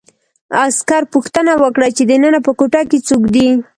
عسکر پوښتنه وکړه چې دننه په کوټه کې څوک دي